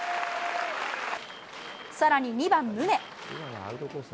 さらに２番宗。